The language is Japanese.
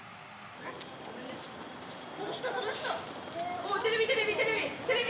・おテレビテレビテレビ！